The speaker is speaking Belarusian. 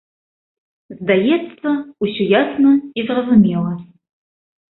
Здаецца, усё ясна і зразумела.